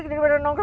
enggak ada yang ada